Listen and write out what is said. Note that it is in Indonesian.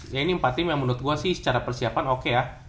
ya ini empat tim yang menurut gue sih secara persiapan oke ya